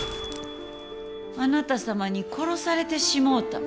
あなた様に殺されてしもうた。